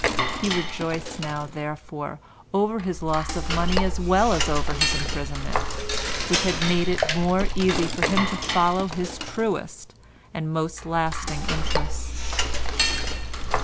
He rejoiced now, therefore, over his loss of money as well as over his imprisonment, which had made it more easy for him to follow his truest and most lasting interests.